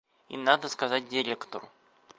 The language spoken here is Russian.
И надо сказать директору.